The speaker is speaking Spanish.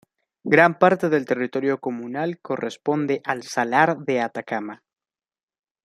Gran parte del territorio comunal corresponde al salar de Atacama.